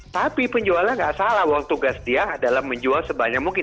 tapi penjualnya nggak salah uang tugas dia adalah menjual sebanyak mungkin